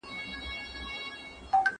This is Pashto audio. ¬ پر پچه وختی، کشمير ئې وليدی.